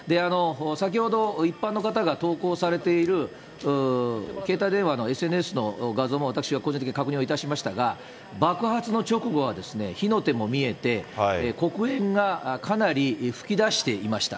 先ほど、一般の方が投稿されている、携帯電話のＳＮＳの画像も私は個人的に確認をいたしましたが、爆発の直後はですね、火の手も見えて、黒煙がかなり噴き出していました。